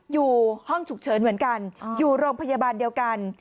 อยู่ห้องฉุกเฉินเหมือนกันอยู่โรงพยาบาลเดียวกัน